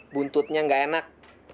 buntutnya gak enak